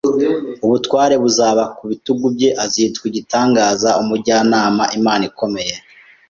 ubutware buzaba ku bitugu bye. Azitwa igitangaza, Umujyanama, Imana ikomeye,